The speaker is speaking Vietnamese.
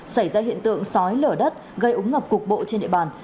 xảy ra hiện tượng sói lở đất gây ống ngập cục bộ trên địa bàn